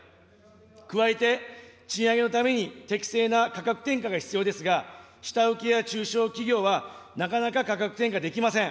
加えて、賃上げのために適正な価格転嫁が必要ですが、下請けや中小企業はなかなか価格転嫁できません。